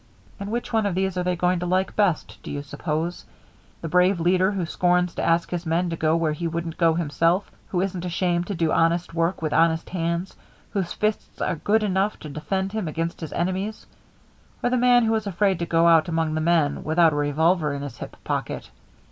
And which one of these are they going to like best, do you suppose the brave leader who scorns to ask his men to go where he wouldn't go himself, who isn't ashamed to do honest work with honest hands, whose fists are good enough to defend him against his enemies; or the man who is afraid to go out among the men without a revolver in his hip pocket?